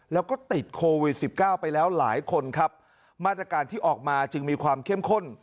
แล้วก็ติดโควิดสิบเก้าไปแล้วหลายคนครับมาตรการที่ออกมาจึงมีความเข้มข้น